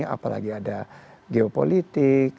apalagi ada geopolitik